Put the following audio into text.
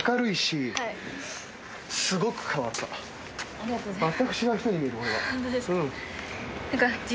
ありがとうございます。